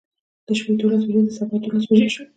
د شپې دولس بجې د سبا دولس بجې شوې.